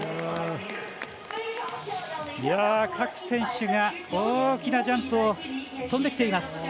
各選手が大きなジャンプを飛んできています。